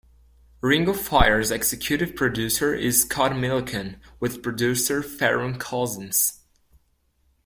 "Ring of Fire"s executive producer is Scott Millican, with producer Farron Cousins.